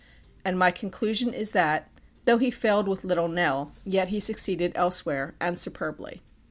And my conclusion is that, though he failed with Little Nell, yet he succeeded elsewhere, and superbly.